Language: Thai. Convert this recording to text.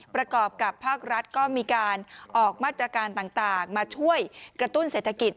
ประกอบกับภาครัฐก็มีการออกมาตรการต่างมาช่วยกระตุ้นเศรษฐกิจ